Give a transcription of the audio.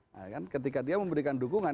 nah kan ketika dia memberikan dukungan